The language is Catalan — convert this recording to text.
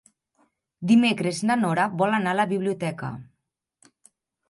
Dimecres na Nora vol anar a la biblioteca.